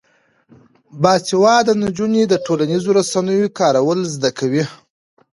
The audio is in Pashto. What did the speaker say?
باسواده نجونې د ټولنیزو رسنیو کارول زده کوي.